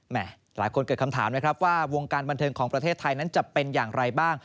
หลายคนเกิดคำถามนะครับว่าวงการบันเทิงของประเทศไทยนั้นจะเป็นอย่างไรบ้าง